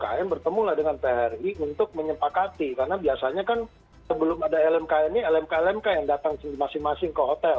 dan itu sama lmkn bertemu lah dengan pri untuk menyempakati karena biasanya kan sebelum ada lmkn ini lmk lmk yang datang masing masing ke hotel